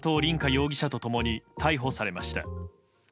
容疑者と共に逮捕されました。